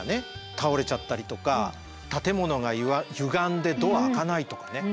倒れちゃったりとか建物がゆがんでドア開かないとかねありますもんね。